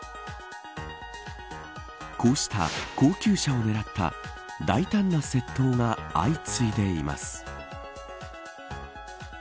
こうした高級車を狙った大胆な窃盗が相次いでいます。